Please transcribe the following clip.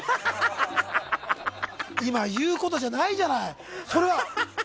今言うことじゃないじゃない！